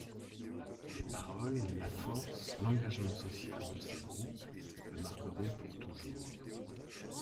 Les paroles, la force, l'engagement social de ces groupes le marqueront pour toujours.